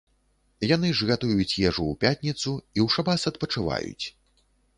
Яны ж гатуюць ежу ў пятніцу і ў шабас адпачываюць.